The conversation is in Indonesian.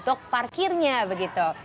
untuk parkirnya begitu